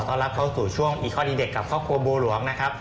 รับเข้าสู่ช่วงอีคอนดีเด็กกับครอบครัวบัวหลวงนะครับ